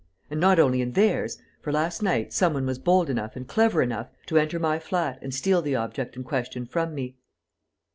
And not only in theirs, for, last night, some one was bold enough and clever enough to enter my flat and steal the object in question from me."